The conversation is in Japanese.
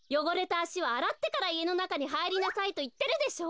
あしをあらってからいえのなかにはいりなさいといってるでしょう。